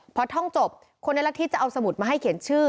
พอท่องจบคนละทิศจะเอาสมุดมาให้เขียนชื่อ